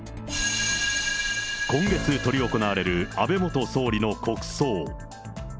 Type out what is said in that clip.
今月執り行われる安倍元総理の国葬。